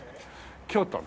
京都。